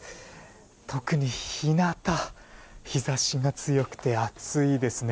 特に日なた日差しが強くて暑いですね。